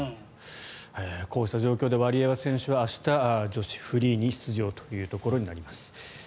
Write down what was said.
こうした状況でワリエワ選手は明日、女子フリーに出場というところになります。